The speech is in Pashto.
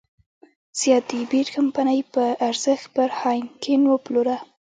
زیات د بیر کمپنۍ په ارزښت پر هاینکن وپلوره.